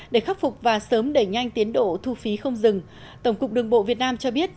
để khắc phục và sớm đẩy nhanh tiến độ thu phí không dừng tổng cục đường bộ việt nam cho biết